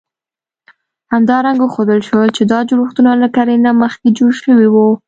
همدارنګه وښودل شول، چې دا جوړښتونه له کرنې نه مخکې جوړ شوي وو.